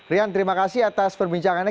rian terima kasih atas perbincangannya